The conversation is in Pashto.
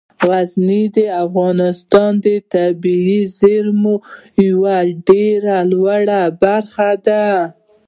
غزني د افغانستان د طبیعي زیرمو یوه ډیره لویه برخه ده.